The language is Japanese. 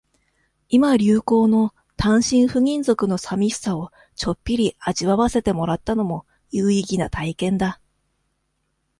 今流行の、単身赴任族の淋しさを、ちょっぴり味わわせてもらったのも、有意義な体験だ。